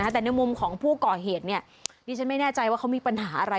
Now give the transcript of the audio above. แต่ในมุมของผู้ก่อเหตุดิฉันไม่แน่ใจว่าเขามีปัญหาอะไร